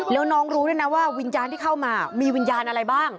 แล้วน้องรู้ด้วยนะว่าวิญญาณที่เข้ามามีวิญญาณอะไรบ้าง